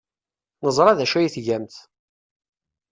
Neẓra d acu ay tgamt.